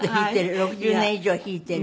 ６０年以上弾いてる。